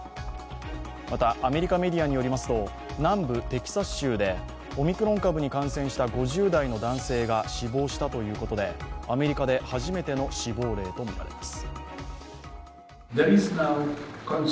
また、アメリカメディアによりますと南部テキサス州でオミクロン株に感染した５０代の男性が死亡したということでアメリカで初めての死亡例とみられます。